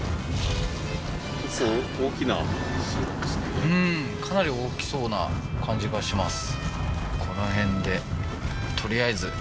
おおーうんかなり大きそうな感じがします